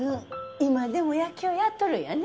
今でも野球やっとるんやね